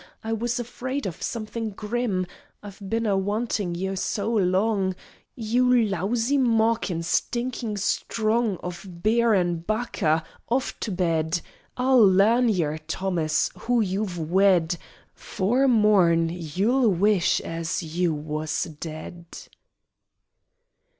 I was afraid of something grim I've bin a wantin' you soa long You lousy mawkin', stinkin' strong Of beer an' bacca! Off to bed! I'll larn yer, Thomas, who you've wed: 'Fore morn, you'll wish as you was dead.